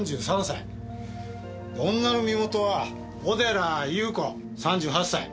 女の身元は小寺裕子３８歳。